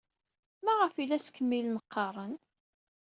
Maɣef ay la ttkemmilen ɣɣaren?